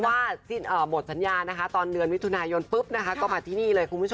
หรือหมดสัญญาณตอนเดือนวิถุนายงก็มาที่นี่